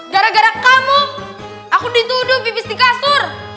gara gara kamu aku dituduh pipis di kasur